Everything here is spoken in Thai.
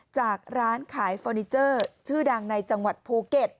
จากร้านขายเฟอร์นิเจอร์ชื่อดังในจังหวัดภูเก็ต